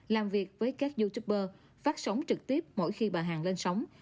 làm việc với các youtuber phát sóng trực tiếp mỗi khi bà hàng lên sóng